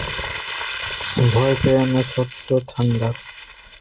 ভয় পেয়ো না, ছোট্ট থান্ডার।